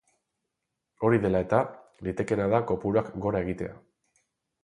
Hori dela eta, litekeena da kopuruak gora egitea.